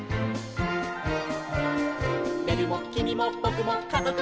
「べるもきみもぼくもかぞくも」